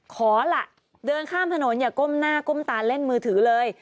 ขอล่ะเดินข้ามถนนอย่าก้มหน้าก้มตาเล่นมือถือเลย